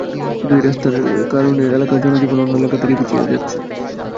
শুধু এই রাস্তার কারণে এলাকার জনজীবন অন্য এলাকা থেকে পিছিয়ে যাচ্ছে।